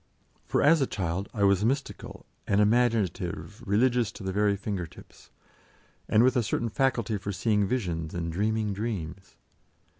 For as a child I was mystical and imaginative religious to the very finger tips, and with a certain faculty for seeing visions and dreaming dreams.